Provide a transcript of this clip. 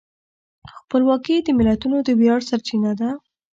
خپلواکي د ملتونو د ویاړ سرچینه ده.